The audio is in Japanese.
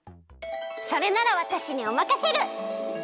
それならわたしにおまかシェル！